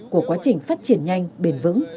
của quá trình phát triển nhanh bền vững